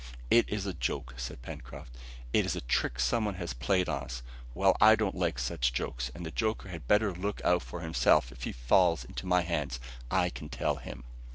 "It is a joke," said Pencroft; "it is a trick some one has played us. Well, I don't like such jokes, and the joker had better look out for himself, if he falls into my hands, I can tell him."